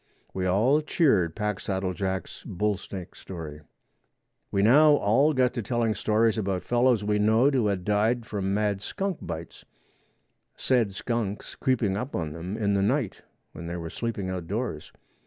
We all cheered Packsaddle Jack's bull snake story. We now all got to telling stories about fellows we knowed who had died from mad skunk bites, said skunks creeping up on them in the night when they were sleeping outdoors.